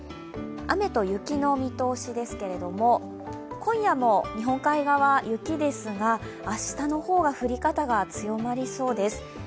雨と雪の見通しですけれども今夜も日本海側、雪ですが明日の方が降り方が強まりそうです。